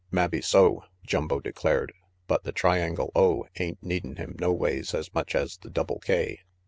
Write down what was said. I " Mabbe so," Jumbo declared, " but the Triangle O ain't needin' him noways as much as the Double K.